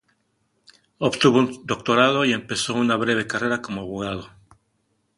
Obtuvo un doctorado, y empezó una breve carrera como abogado.